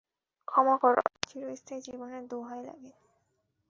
ক্ষমা কর, আমার চিরস্থায়ী জীবনের দোহায় লাগে।